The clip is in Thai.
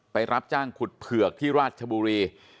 รับจ้างขุดเผือกที่ราชบุรี